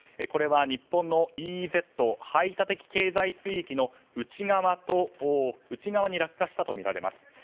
これは日本のＥＥＺ・排他的経済水域の内側に落下したとみられます。